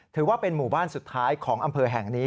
ถือว่าเป็นหมู่บ้านสุดท้ายของอำเภอแห่งนี้